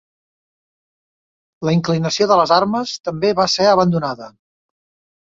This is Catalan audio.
La inclinació de les armes també va ser abandonada.